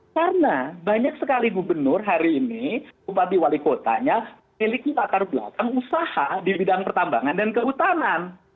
karena banyak sekali gubernur hari ini bupati wali kotanya miliki latar belakang usaha di bidang pertambangan dan kehutanan